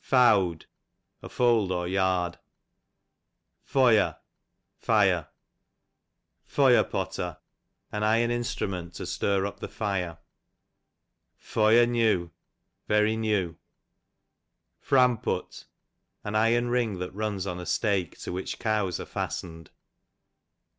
Fowd, a fold, or yard. Fojar, flre. Foyar potter, an iron instrument to stir up the fire. Foyar new, very new. Framput, an iron ring that runs on a stake to which cows are fastened.